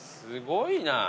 すごいな。